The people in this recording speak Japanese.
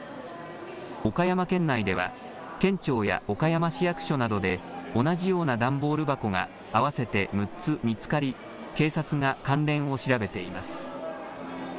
岡山県内では県庁や岡山市役所などで同じような段ボール箱が合わせて６つ見つかり警察が関連を調べています。